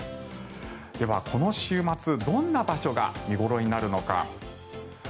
では、この週末どんな場所が見頃になるのか。